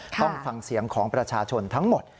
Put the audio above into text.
ต้องฟังเสียงของประชาชนทั้งหมด